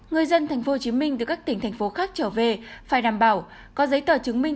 người dân thành phố hồ chí minh từ các tỉnh thành phố khác trở về phải đảm bảo có giấy tờ chứng minh